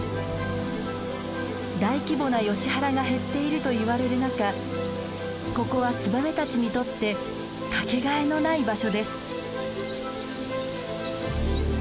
大規模なヨシ原が減っているといわれる中ここはツバメたちにとってかけがえのない場所です。